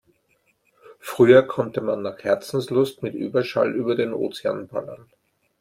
Früher konnte man nach Herzenslust mit Überschall über den Ozean ballern.